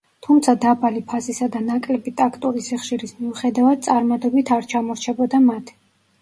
თუმცა დაბალი ფასისა და ნაკლები ტაქტური სიხშირის მიუხედავად, წარმადობით არ ჩამორჩებოდა მათ.